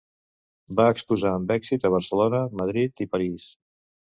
Va exposar amb èxit a Barcelona, Madrid i París.